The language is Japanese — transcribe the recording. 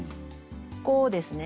こうですね。